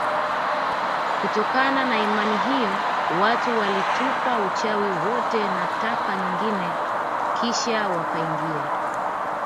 Kutokana na imani hiyo watu walitupa uchawi wote na taka nyingine kisha wakaingia